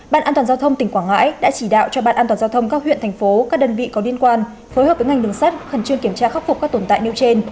bàn an toàn giao thông tỉnh quảng ngãi đã chỉ đạo cho ban an toàn giao thông các huyện thành phố các đơn vị có liên quan phối hợp với ngành đường sắt khẩn trương kiểm tra khắc phục các tồn tại nêu trên